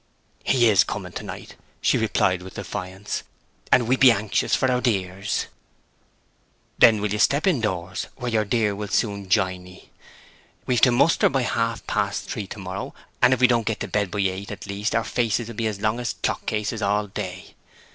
"He is coming to night," she replied, with defiance. "And we be anxious for our dears." "Then will you step in doors, where your dear will soon jine 'ee? We've to mouster by half past three to morrow, and if we don't get to bed by eight at latest our faces will be as long as clock cases all day."